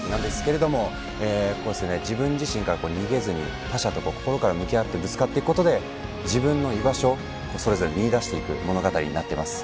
自分自身から逃げずに他者と心から向けてぶつかっていくことで自分の居場所をそれぞれ見いだしていく物語になっています。